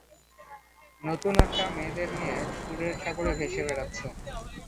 নিশ্চয় নতুন আসা মেয়েদের নিয়ে সুরের সাগরে ভেসে বেড়াচ্ছো।